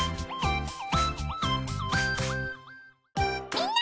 みんな！